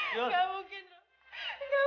gak mungkin rom